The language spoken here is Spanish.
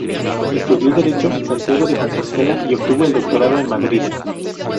Estudió Derecho en Santiago de Compostela y obtuvo el doctorado en Madrid.